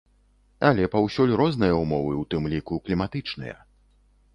Але паўсюль розныя ўмовы ў тым ліку кліматычныя.